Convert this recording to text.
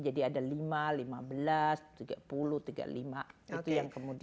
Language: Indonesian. jadi ada lima lima belas tiga puluh tiga puluh lima itu yang kemudian